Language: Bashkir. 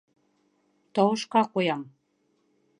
Тауышҡа ҡуям.